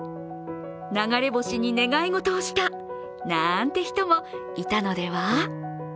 流れ星に願い事をしたなんて人もいたのでは？